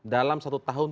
dalam satu tahun